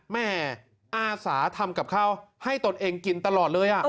แม่อาสาทำกับข้าวให้ตนเองกินตลอดเลย